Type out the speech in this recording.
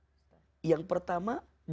yang pertama dosa yang berbeda dengan keluarga